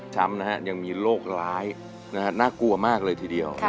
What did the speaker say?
ช้ำนะฮะยังมีโรคร้ายนะฮะน่ากลัวมากเลยทีเดียว